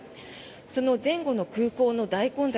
その前後の空港の大混雑